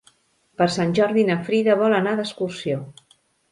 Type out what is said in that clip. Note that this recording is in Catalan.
Per Sant Jordi na Frida vol anar d'excursió.